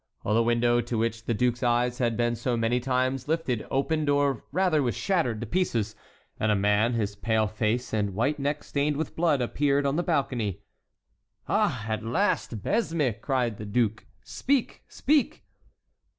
The window, to which the duke's eyes had been so many times lifted, opened, or, rather, was shattered to pieces, and a man, his pale face and white neck stained with blood, appeared on the balcony. "Ah! at last, Besme!" cried the duke; "speak! speak!"